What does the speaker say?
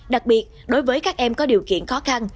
đặc biệt đối với các em có điều kiện khó khăn